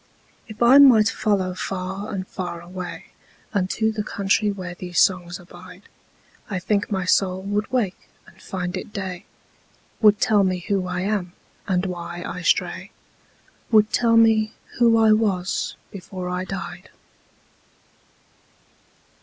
If I might follow far and far awayUnto the country where these songs abide,I think my soul would wake and find it day, Would tell me who I am, and why I stray,—Would tell me who I was before I died.